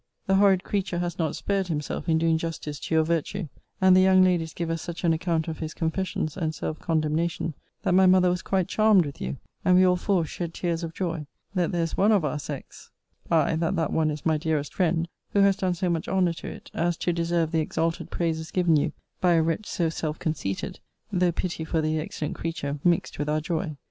The horrid creature has not spared himself in doing justice to your virtue; and the young ladies gave us such an account of his confessions, and self condemnation, that my mother was quite charmed with you; and we all four shed tears of joy, that there is one of our sex [I, that that one is my dearest friend,] who has done so much honour to it, as to deserve the exalted praises given you by a wretch so self conceited; though pity for the excellent creature mixed with our joy.